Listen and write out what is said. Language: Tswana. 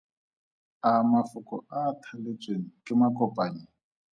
A mafoko a a thaletsweng ke makopanyi?